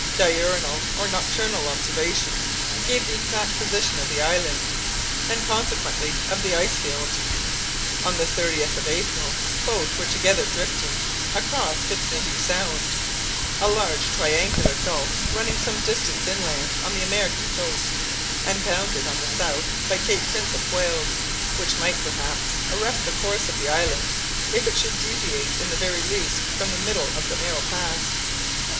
Diurnal or nocturnal observations gave the exact position of the island, and consequently of the ice field. On the 30th of April, both were together drifting across Kotzebue Sound, a large triangular gulf running some distance inland on the American coast, and bounded on the south by Cape Prince of Wales, which might, perhaps, arrest the course of the island if it should deviate in the very least from the middle of the narrow pass.